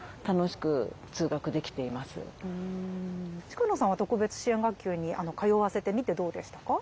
近野さんは特別支援学級に通わせてみてどうでしたか？